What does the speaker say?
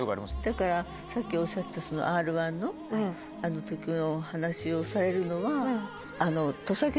だからさっきおっしゃったその。をされるのは。